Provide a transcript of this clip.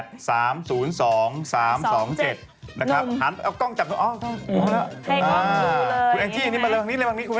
น่าคุณแอร์จี้ที่นี่บางนิดบางนิดเลยคุณแอร์จี้